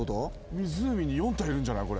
湖に４体いるんじゃない？